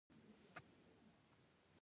اوبه د ژوند لپاره اړینې دي.